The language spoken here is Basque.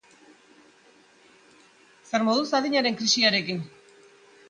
Zer moduz adinaren krisiarekin?